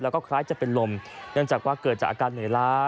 แล้วก็คล้ายจะเป็นลมเนื่องจากว่าเกิดจากอาการเหนื่อยล้า